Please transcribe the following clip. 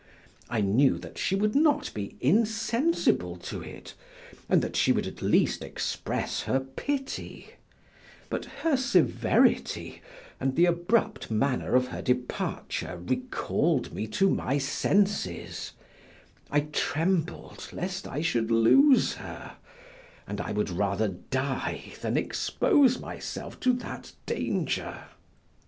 I knew that she would not be insensible to it, and that she would at least express her pity; but her severity and the abrupt manner of her departure recalled me to my senses; I trembled lest I should lose her, and I would rather die than expose myself to that danger.